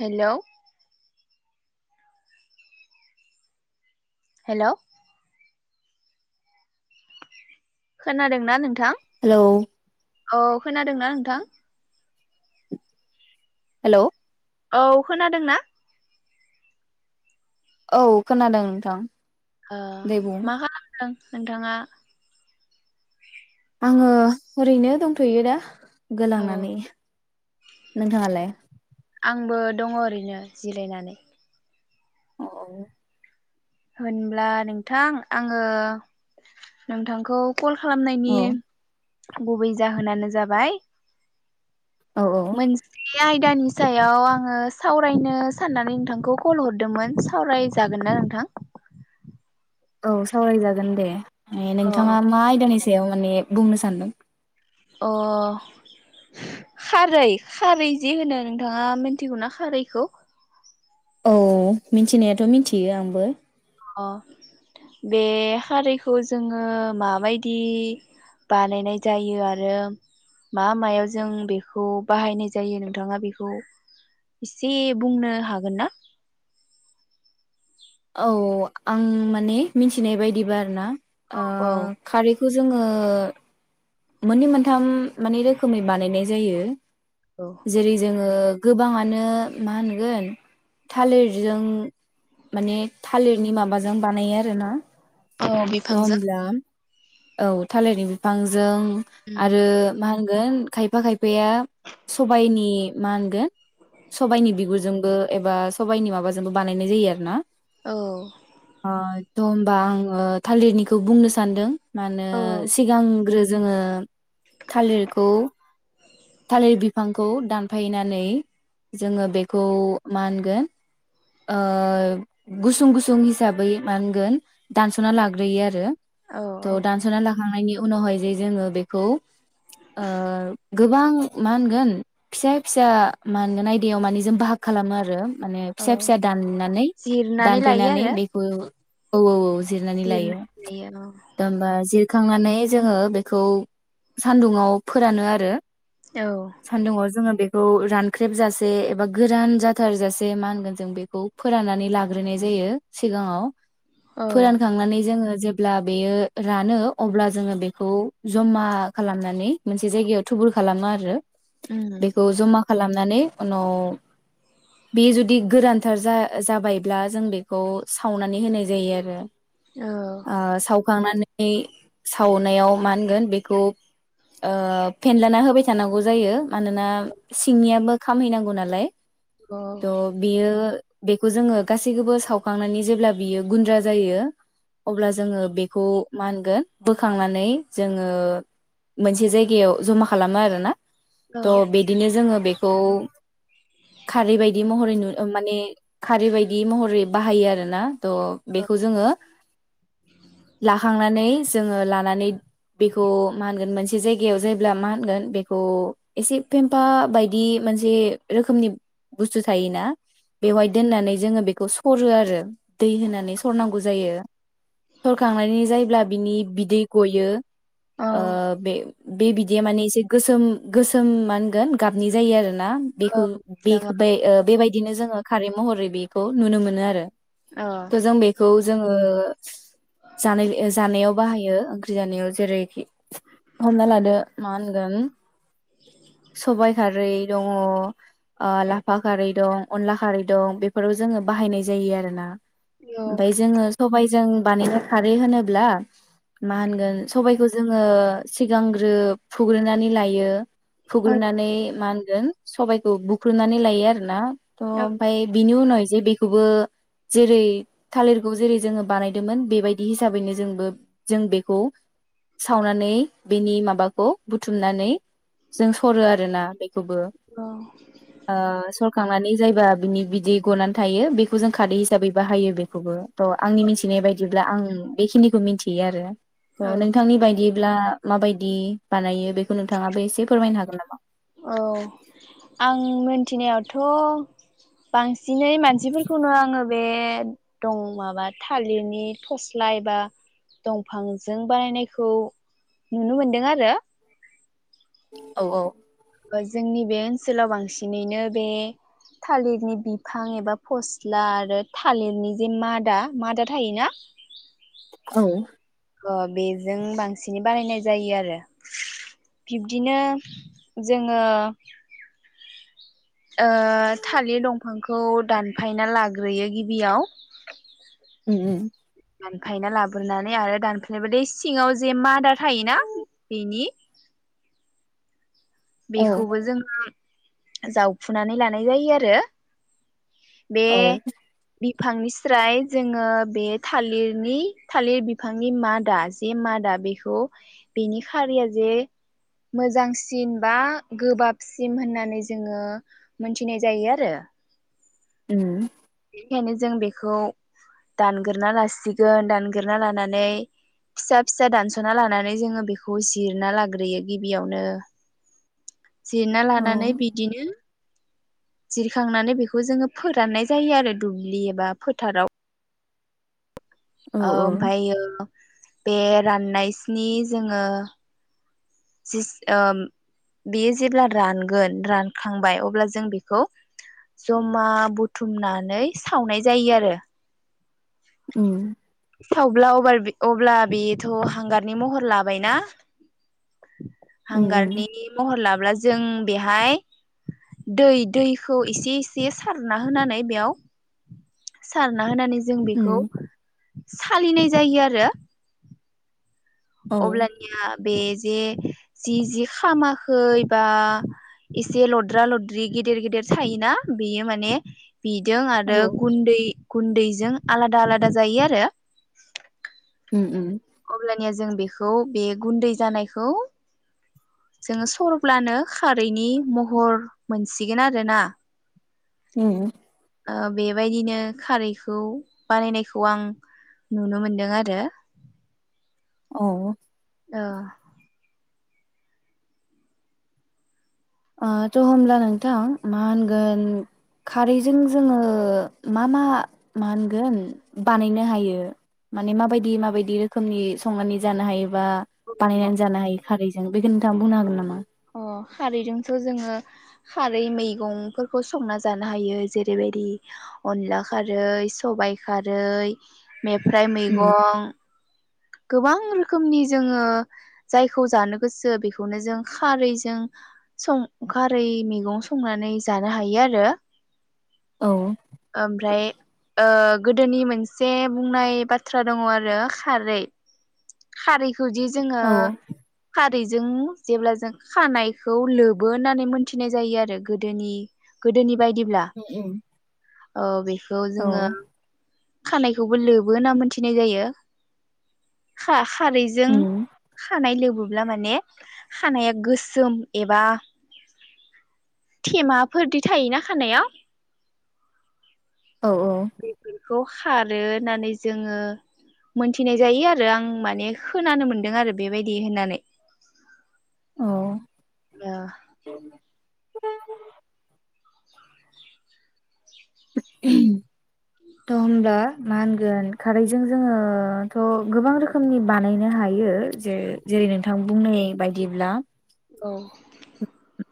Hello hello खोनादोंना नोंथां? Hello औ खोनादोंना नोंथां? हेलौ औ खोनादोंना? औ खोनादों नोंथां। ओ दे बुं मा खालामदों? नोंथाङा? आङो ओरैनो दंथ'यो दा औ गोलांनानै नोंहालाय आंबो दङ ओरैनो जिरायनानै औ होनब्ला नोंथां आङो नोंथांखौ कल खालामनायनि औ गुबै जाहोनानो जाबाय औ औ बे आयदानि सायाव आङो सावरायनो साननानै नोंथांखौ कल हरदोंमोन सावरायजागोन ना नोंथां? औ सावरायजागोन दे ए अ नोंथाङा मा आयदानि सा याव माने बुंनो सानदों अ खारै खारै जि होनो नोंथाङा मिथिगौना खारैखौ औ मिथिनायाथ' मिथियो आंबो अ बे खारैखौ जोङो माबायदि बानायनाय जायो आरो मा मायाव जों बेखौ बाहायनाय जायो नोंथाङा बेखौ इसे बुंनो हागोन ना औ आं माने मिथिनाय बायदिबा आरो ना औ आ खारै बेखौ जोङो मोननै मोनथाम माने रोखोमै बानायनाय जायो औ उम औ जेरै जोङो गोबाङानो मा होनगोन थालिरजों माने थालिरनि माबाजों बानायो आरोना थ होमब्ला औ थालिरनि बिफांजों आरो मा होन गोन खायफा खायफाया सबायनि मा होनगोन सबाइनि बिगुरजोंबो एबा सबाइनि माबाजोंबो बानायनाय जायो आरो ना औ द' होमबा आङो थालिरनिखौ बुंनो सानदों। मानो सिगांग्रो जोङो थालिरखौ थालिर बिफांखौ दानफायनानै जोङो बेखौ मा होनगोन ओ गुसुं गुसुं हिसाबै मा होनगोन दानस'ना लाग्रोयो आरो औ औ थ' दानस'ना लाखांनायनि उनावहाय जे जोङो बेखौ ओ गोबां मा होनगोन फिसा फिसा मा होनगोन आयदायाव माने जों बाहाग खालामो आरो माने औ फिसा फिसा दाननानै जिरनानै लायो दानफैनानै आरो बेखौ औ औ औ जिरनानै लायो लायो औ ओ जिरखांनानै जोङो बेखौ सानदुङाव फोरानो आरो औ सान्दोंङाव जोङो बेखौ बेखौ रानख्रेबजासे एबा गोरान जाथारजासे मा होनगोन जों बेखौ फोराननानै लाग्रोनाय जायो सिगाङाव । औ फोरानखांनानै जोङो जेब्ला बेयो रानो अब्ला जोङो बेखौ जमा खालामनानै मोनसे जायगायाव थुबुर खालामो आरो उम । बेखौ जमा खालामनानै उनाव बे जुदि गोरानथार जा-जाबायब्ला जों बेखौ सावनानै होनाय जायो आरो । औ खांनानै सावनायाव मा होनगोन बेखौ ओ फेनलाना होबाय थानांगौ जायो । मानोना सिंनियाबो खामहैनांगौ नालाय । औ त' बियो बेखौ जोङो गासैखौबो सावखांनानै जेब्ला बियो गुन्द्रा जायो। अब्ला जोङो बे खौ मा होनगोन बोखांनानै जोङो मोनसे जायगायाव जमा खालामो आरोना औ । थ' बिदिनो जोङो बे खौ खारै बायदि महरै नु ओ-माने खारै बायदि महरै बाहायो आरो ना । थ' औ बेखौ जोङो हाखांनानै जोङो लानानै बेखौ मा होनगोन मोनसे जायगायाव जायोब्ला मा होनगोन बेखौ एसे फेम्फा बायदि मोनसे रोखोमनि बुस्थु थायोना । बेवहाय दोननानै जोङो बे खौ सरो आरो दै होनानै सरनांगौ जायो। सरखांनानै जायोब्ला बिनि बिदै गयो औ ओ औ बे बे बिदैया माने एसे गोसोम गोसोम मा होनगोन गाबनि जायो आरो ना बेखौ-बे-ओ-बेबायदि बिदिनो जोङो खारै महरै बेखौ नुनो मोनो आरो । त'‌ जों बेखौ जोङो जानाय ओ जानायाव बाहायो ओंख्रि जानायाव जेरैखि हमना लादो मा होनगोन सबाय खारै दङ ओ लाफा खारै दं अनला खारै दं बेफोराव जोङो बाहायनाय जायो आरो ना । ओमफाय जोङो सबाय जों बानायनो खारै होनोब्ला मा होनगोन सबायखौ जोङो सिगांग्रो फुग्रोनानै लायो । फुग्रोनानै मा हो गोन सबायखौ बुख्रुनानै लायो आरो ना । त' ओमफ्राय बिनि उनाव एसे जे बेखौबो जेरै थालिरखौ जेरै जोङो बानायदोंमोन बेबाय बायदि हिसाबैनो जोंबो जों बेखौ सावनानै बेनि माबाखौ बुथुमनानै जों सरो आरो ना खौबो ओ सब बखांनानै जायबा बिनि बिदि गनानै थायो बेखौ जों खारदै हिसाबै बाहायो बेखौबो थ' आंनि मिथिनाय बायदिब्ला आं बेखिनिखौ मिनथियो आरो औ नोंथांनि बायदि ब्ला माबायदि बानायो बेखौ नोंथाङाबो एसे फोरमायनो हागोन नामा? औ आं मोनथिनायावथ' बांसिनै मानसिफोरखौनो आङो बे दं माबा थालिरनि फस्ला बा दंफांजों बानायनायखौ नुनो मोनदों आरो औ औ जोंनि बे ओनसोलाव बांसिनैनो बे थालिरनि बिफां एबा फस्ला आरो थालिरनि जे मादा मादा थायोना औ अ बेजों बांसिनै बानायनाय जायो आरो बिब्दिनो जोङो ओ थालिर दंफांखौ दानफायना लाग्रोयो गिबियाव उम उम दानफायना लाबोनानै आरो दानफ्लेबाथाय सिङाव जे मादा थायोना बेनि औ बेखौबो जोङो जावफुनानै लानाय जायो आरो बे औ बिफांनि स्राय जोङो बे थालिरनि थालिर बिफांनि मादा जे मादा बेखौ बेनि खारिया जे मोजांसिन बा गोबाबसिम होननानै जोङो मोनथिनाय जायो आरो उम बेनिखायनो जों बेखौ दानग्रोना लासिगोन दानग्रोना लानानै फिसा फिसा दानस'ना लानानै जोङो बेखौ जिरना लाग्रोयो गिबियावनो जिरना औ लानानै बिदिनो जिरखांनानै बेखौ जोङो फोराननाय जायो आरो दुब्लि एबा फोथाराव औ आ औ ओमफायो बे राननायसनि जोङो जिस ओम बेयो जेब्ला रानगोन रानखांबाय अब्ला जों बेखौ जमा बुथुमनानै सावनाय जायो आरो उ थावब्ला अब्ला बेथ' हांगारनि महर लाबायनाा उम उम हांगारनि महल्ला [unintelligible] जों बेखौ उम सालिनाय जायो आरो औ अबब्ला नया बेज जे जि जि खामाखै बा एसे लद्रा लद्रि गेदेर गेदेर थायोना बेयो माने बिदों आरो औ गुन्दै गुन्दैजों आलादा आलादा जायो आरो उम उम अब्लानिया जों बेखौ बे गुन्दै जानायखौ जोङो सरब्लानो खारैनि महर मोनसिगोन आरोोना उम आ बेबायदिनो खारैखौ बानायनायखौ आं नुनो मोनदों आरो। औ ओ ओ थ' होमब्ला नोंथां मा होनगोन खारैजों जोङो मा मा मा होनगोन बानायनो हायो माने माबायदि माबायदि रोखोमनि संनानै जानो हायो बा ओ बानायनानै जानो हायो खारैजों बेखौ नोंथाङा बुंनो हागोन नामा? अ खारैजोंथ' जोङो खारै मैगंफोरखौ संना जानो हायो जेरैबायदि अनला खारै, सबाइ खारै मेफ्राय उम मैगं गोबां रोखोमनि जोङो जायखौ जानो गोसो बेखौनो जों खारैजों सं खारै मैगं संनानै जानो हायो आरो। औ ओमफ्राय ओ गोदोनि मोनसे बुंनाय बाथ्रा दङ आरो खारै खारै खौ जि जोङो उम खा रैजों जेब्ला जों खानायखौ लोबो होननानै मोनथिनाय जायो आरो गोदोनि गोदोनि बायदिब्ला उम अ बे खौ औ जोङो खानायखौबो लोबो होनना मोनथिनाय जायो खा खारैजों उम खानाय लोबो। अब्ला माने खानाया गोसोम एबा थेमाफोरदि थायोना खानायाव औ औ बेखौ खारो होननानै जोङो मोनथिनाय जायो आरो आं माने खोनानो मोनदों आरो बेबायदि होननानै। अ दा थ' होमब्ला मा होनगोन खारैजों जोङोथ' गोबां रोखोमनि बानायनो हायो जे जेरै नोंथां बुंनाय बायदिब्ला औ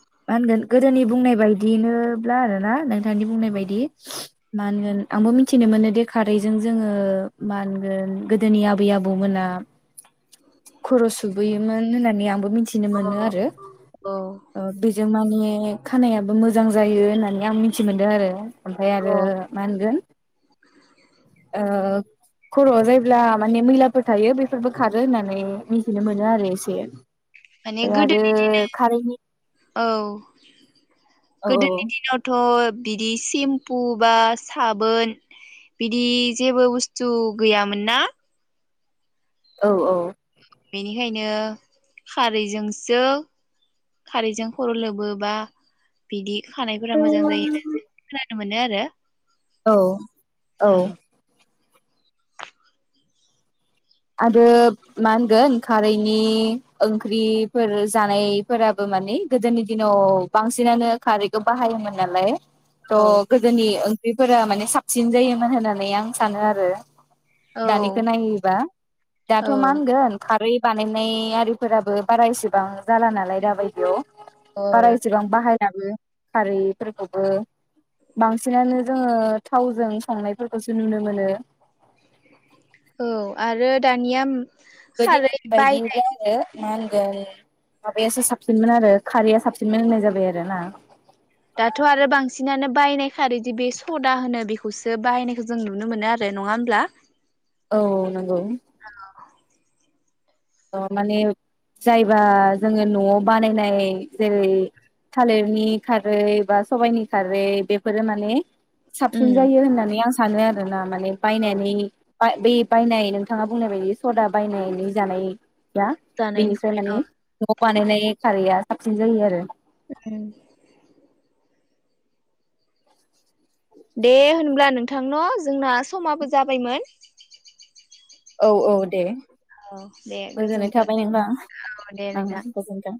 मा होनगोन गोदोनि बुंनाय बायदिनोब्ला आरोना नोंथांनि बुंनाय बायदि मा होनगोन आंबो मिथिनो मोनो दे खारैजों जोङो मा होनगोन गोदोनि आबै आबौमोना खर' सुबोयो मोन होननानै आं मिथिनो अ मोनो आरो। औ जों माने खानायाबो मोजां जायो होननानै आं मिथि मोनदों आरो। ओमफ्राय आरो औ मा होनगोन ओ खर' आव जायब्ला माने मैलाफोर थायो बेफोरबो खारो होननानै मिथिनो मोनो आरो एसे माने ओमफ्राय आरो गोदोनि खारैनि औ औ गोदोनि दिनावथ' ओ बिदि सेम्पु बा साबोन बिदि जेबो बुस्थु गैयामोन ना औ औ। बेनिखायनो खारैजोंसो खारैजों खर' लोबोबा बिदि खानायफोरा मोजां जायो होननानै जों खोनानो मोनो आरो। औ। औ। आरो मा होनगोन खारैनि ओंख्रिफोर जानायफोराबो माने गोदोनि दिनाव बांसिनानो खारैखौ बाहायोमोन नालाय थ' गोदोनि बेफोरो माने साबसिन जायोमोन होननानै आं सानो आरो औ दानिखौ नायोबा। औ दाथ' मा होनगोन खारै बानायनाय आरिफोराबो बारा इसेबां जाला नालाय दाबायदियाव। औ बारा एसेबां बाहाय दाबो खारैफोरखौबो बांसिनानो जोङो थावजों संनायफोरखौसो नुनो मोनो। औ आरो दानिया गोदोनि खारै बाय बायदि आरो मा होनगोन माबायासो साबसिनमोन आरो खारैया साबसिनमोन होननाय जाबाय आरो ना। दाथ' आरो बांसिनानो बायनाय खारैदि बे सदा होनो बेखौसो बायनायखौ जों नुनो मोनो आरो नङा होमब्ला? औ नंगौ। माने जायबा जोङो न'आव बानायनाय जेरै थालिरनि खारै बा सबायाइनि खारै बेफोरो माने उम साबसिन जायो होननानै आं सानो आरोना माने बायनानै बाय बे बायनाय नोंथाङा बुंनाय बायदि सदा बायनायनानै जानाय दा जानायनि बिनिफ्राय माने न'आव बानायनाय खारैया साबसिन जायो आरो। उम। दे होनब्ला नोंथां न' जोंना समाबो जाबायमोन। औ औ दे। औ दे गोजोन्नाय गोजोन्थों थाबाय औ दे नोंथां। ओ नोंथां। गोजोन्थों।